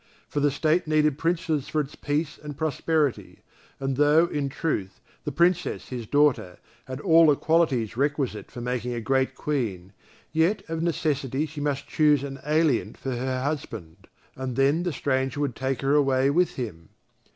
For the State needed Princes for its peace and prosperity, and though, in truth, the Princess, his daughter, had all the qualities requisite for making a great Queen, yet of necessity she must choose an alien for her husband, and then the stranger would take her away with him.